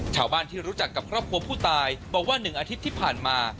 ชาวบ้านที่รู้จักกับครอบครัวผู้ตายบอกว่า๑อาทิตย์ที่ผ่านมา